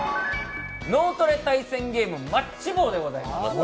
「脳トレ対戦ゲームマッチ棒」でございます